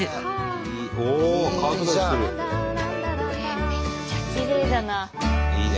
めっちゃきれいだな。いいね。